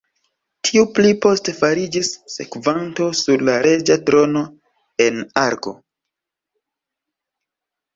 Tiu pli poste fariĝis sekvanto sur la reĝa trono en Argo.